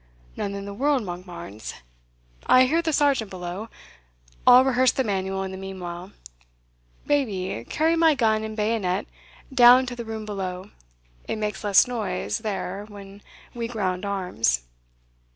"None in the world, Monkbarns. I hear the sergeant below I'll rehearse the manual in the meanwhile. Baby, carry my gun and bayonet down to the room below it makes less noise there when we ground arms."